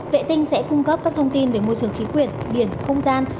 vệ tinh sẽ cung cấp các thông tin về môi trường khí quyển biển không gian